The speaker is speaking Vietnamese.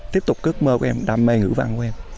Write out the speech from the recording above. tiếp tục ước mơ của em đam mê ngữ văn của em